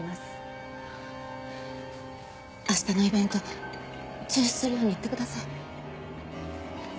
明日のイベント中止するように言ってください。